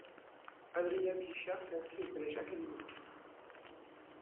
Adrien Pichard s'inscrit au Collège académique.